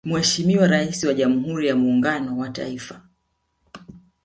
Mheshimiwa Rais wa Jamhuri ya muungano wa Taifa